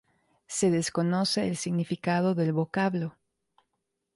Se desconoce el significado del vocablo.